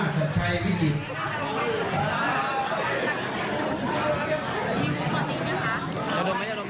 ๖๓๕ชันชัยพิจิตร